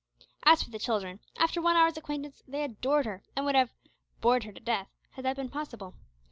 As for the children, after one hour's acquaintance they adored her, and would have "bored her to death" had that been possible.